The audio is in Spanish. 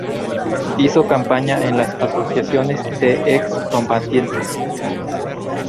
Hizo campaña en las asociaciones de ex combatientes.